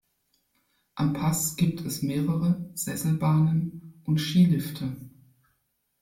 Am Pass gibt es mehrere Sesselbahnen und Skilifte.